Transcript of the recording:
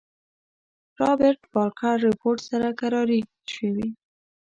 رابرټ بارکر رپوټ سره کراري شوې.